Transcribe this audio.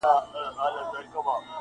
خو له سره ژوندون نه سو پیل کولای-